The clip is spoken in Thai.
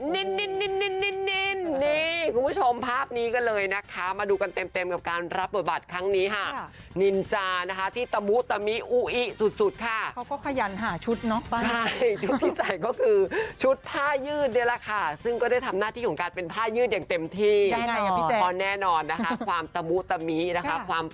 นินนินนินนินนินนินนินนินนินนินนินนินนินนินนินนินนินนินนินนินนินนินนินนินนินนินนินนินนินนินนินนินนินนินนินนินนินนินนินนินนินนินนินนินนินนินนินนินนินนินนินนินนินนินนินนิน